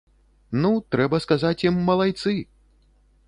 Ну, трэба сказаць ім малайцы!